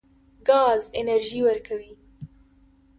ګاز انرژي ورکوي.